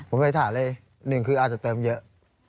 ผมเคยถามเลยหนึ่งคืออาจจะเติมเยอะ